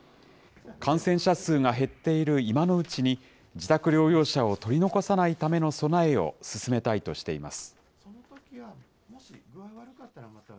感染者数が減っている今のうちに自宅療養者を取り残さないための備えを進めたいとしています。